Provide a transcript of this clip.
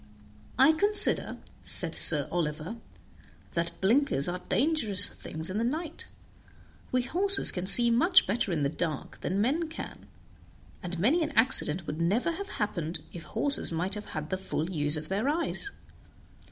"I consider," said Sir Oliver, "that blinkers are dangerous things in the night; we horses can see much better in the dark than men can, and many an accident would never have happened if horses might have had the full use of their eyes.